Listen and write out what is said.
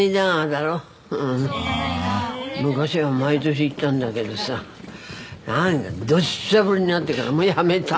昔は毎年行ったんだけどさ何だどしゃ降りに遭ってからもうやめた。